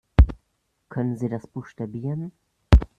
Können Sie das buchstabieren?